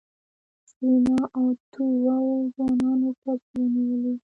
سېرېنا او دوو ځوانانو پزې ونيولې.